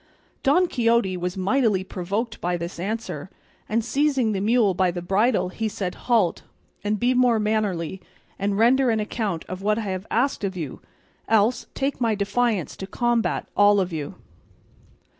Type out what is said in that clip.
Don Quixote was mightily provoked by this answer, and seizing the mule by the bridle he said, "Halt, and be more mannerly, and render an account of what I have asked of you; else, take my defiance to combat, all of you."